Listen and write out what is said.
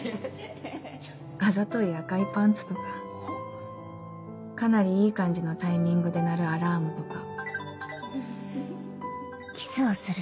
「あざとい赤いパンツとかかなりいい感じのタイミングで鳴るアラームとか」。